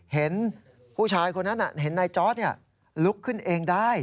เห็นผู้ชายคนนั้นเห็นนายจอร์ดลุกขึ้นเองได้